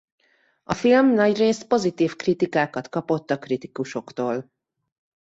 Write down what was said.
A film nagyrészt pozitív kritikákat kapott a kritikusoktól.